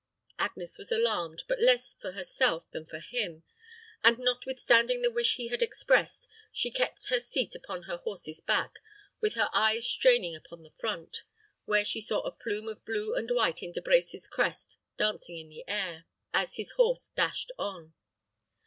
Agnes was alarmed, but less for herself than for him; and, notwithstanding the wish he had expressed, she kept her seat upon her horse's back, with her eyes straining upon the front, where she saw the plume of blue and white in De Brecy's crest dancing in the air, as his horse dashed on.